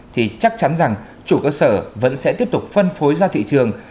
thì chắc chắn rằng chủ cơ sở vẫn sẽ tiếp tục phân phối ra thị trường